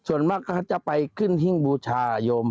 ส่วนมากก็จะไปขึ้นหิ้งบูชายม